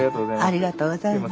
ありがとうございます。